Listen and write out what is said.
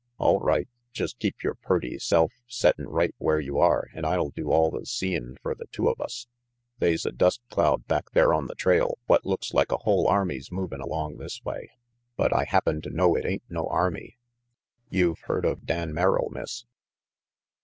"All right, just keep your purty self settin' right where you are and I'll do all the seein' fer the two of us. They's a dust cloud back there on the trail what looks like a whole army's moving along this way. But I happen to know it ain't no army. You've heard of Dan Merrill, Miss?